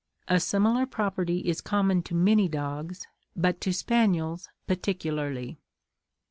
A similar property is common to many dogs, but to spaniels particularly."